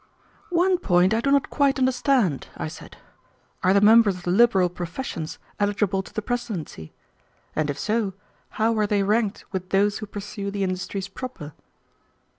"One point I do not quite understand," I said. "Are the members of the liberal professions eligible to the presidency? and if so, how are they ranked with those who pursue the industries proper?"